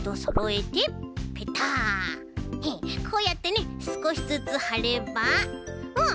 こうやってねすこしずつはればうん！